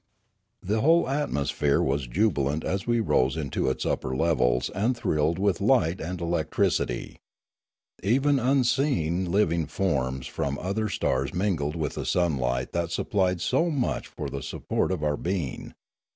The whole atmosphere was jubilant as we rose into its upper levels and thrilled with light and electricity; even unseen living forms from other stars mingled with the sunlight that supplied so much for the support of our being.